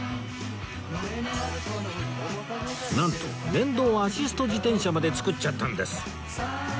なんと電動アシスト自転車まで作っちゃったんです